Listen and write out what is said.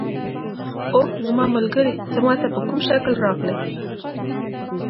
اوه زما ملګری، ته ما ته په کوم شکل راغلې؟